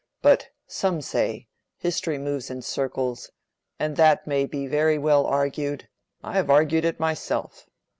But some say, history moves in circles; and that may be very well argued; I have argued it myself.